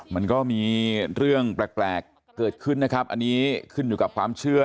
มันก็มีเรื่องแปลกเกิดขึ้นนะครับอันนี้ขึ้นอยู่กับความเชื่อ